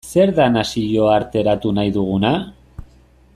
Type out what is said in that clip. Zer da nazioarteratu nahi duguna?